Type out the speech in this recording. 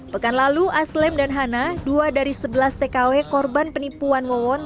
pekan lalu aslem dan hana dua dari sebelas tkw korban penipuan wawon